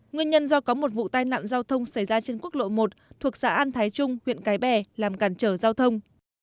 nguyên nhân do có một vụ tai nạn giao thông xảy ra trên quốc lộ một thuộc xã an thái trung huyện cái bè làm cản trở giao thông